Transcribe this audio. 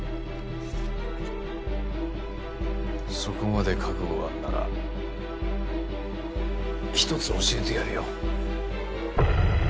そこまで覚悟があんならひとつ教えてやるよ。